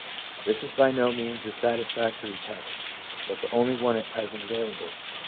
This is by no means a satis factory test, but the only one at present available.